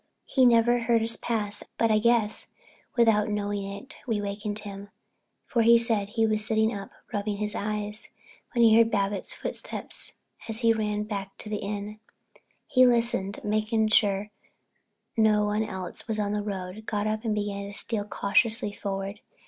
He never heard us pass, but I guess without his knowing it we wakened him, for he said he was sitting up, rubbing his eyes, when he heard Babbitts' footsteps as he ran back to the inn. He listened and, making sure no one else was on the road, got up and began to steal cautiously forward.